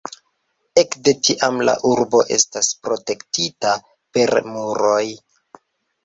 Ekde tiam la urbo estas protektita per muroj.